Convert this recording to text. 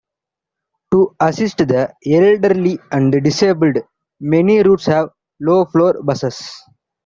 To assist the elderly and disabled, many routes have low-floor buses.